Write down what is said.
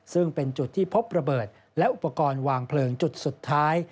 ซึ่งเป็นจุดที่พบระเบิดและอุปกรณ์วางเพลิงจุดสุดท้าย